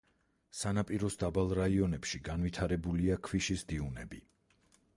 სანაპიროს დაბალ რაიონებში განვითარებულია ქვიშის დიუნები.